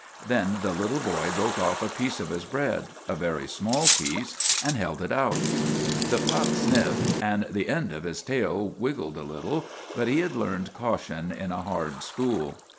Then the little boy broke off a piece of his bread a very small piece and held it out. The pup sniffed, and the end of his tail wiggled a little, but he had learned caution in a hard school.